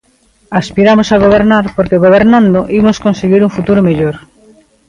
Aspiramos a gobernar porque gobernando, imos conseguir un futuro mellor.